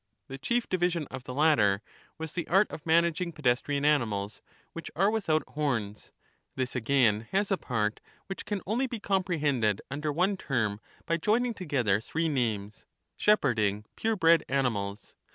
The chief division of the latter was the art of managing pedestrian animals which are without horns ; this again has a part which can only be comprehended under one term by joining together three names, — shepherding pure bred animals.